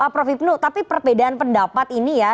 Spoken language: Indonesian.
prof hipnu tapi perbedaan pendapat ini ya